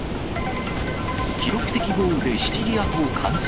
記録的豪雨でシチリア島冠水。